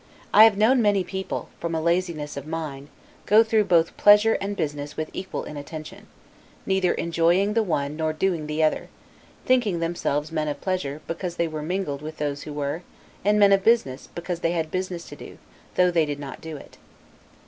I have known many people, from laziness of mind, go through both pleasure and business with equal inattention; neither enjoying the one, nor doing the other; thinking themselves men of pleasure, because they were mingled with those who were, and men of business, because they had business to do, though they did not do it.